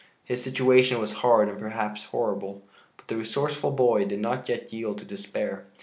His situation was hard and perhaps horrible, but the resourceful boy did not yet yield to despair.